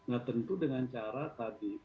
nah tentu dengan cara tadi